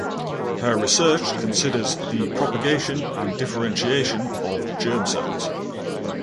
Her research considers the propagation and differentiation of germ cells.